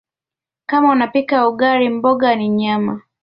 Kama unapika ugali mboga ni nyama